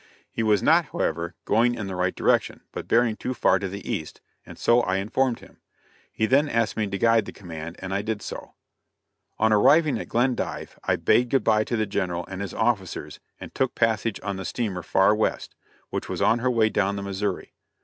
He was not, however, going in the right direction, but bearing too far to the east, and I so informed him. He then asked me to guide the command and I did so. On arriving at Glendive I bade good bye to the General and his officers and took passage on the steamer Far West, which was on her way down the Missouri.